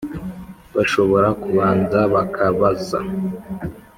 Bashobora kubanza bakabaza.